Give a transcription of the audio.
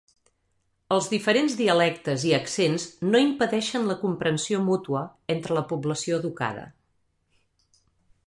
Els diferents dialectes i accents no impedeixen la comprensió mútua entre la població educada.